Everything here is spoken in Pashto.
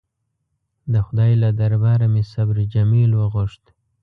د خدای له درباره مې صبر جمیل وغوښت.